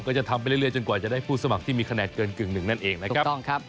ก็จะทำไปเรื่อยจนกว่าจะได้ผู้สมัครที่มีคะแนนเกินกึ่งหนึ่งนั่นเองนะครับถูกต้องครับ